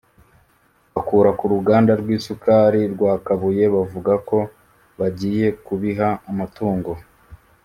bakura ku ruganda rw’isukari rwa Kabuye bavuga ko bagiye kubiha amatungo